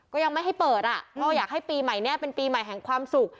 ก็ยังไม่ให้เปิดอ่ะก็อยากให้ปีใหม่นี้เป็นปีใหม่แห่งความสุข